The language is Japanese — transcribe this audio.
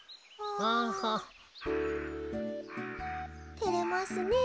てれますねえ。